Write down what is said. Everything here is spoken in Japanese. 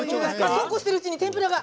そうこうしてるうちに天ぷらが！